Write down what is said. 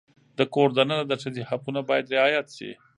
د کور دننه د ښځې حقونه باید رعایت شي.